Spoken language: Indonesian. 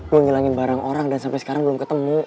gue ngilangin barang orang dan sampe sekarang belum ketemu